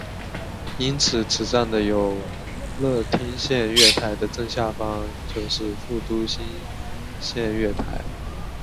因此此站的有乐町线月台的正下方就是副都心线月台。